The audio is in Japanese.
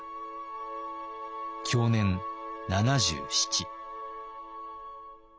享年７７。